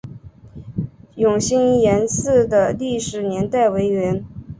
永兴岩寺的历史年代为元。